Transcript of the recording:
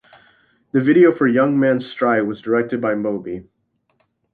The video for "Young Man's Stride" was directed by Moby.